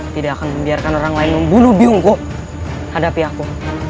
tidak akan membiarkan orang lain membunuh biungku hadapi aku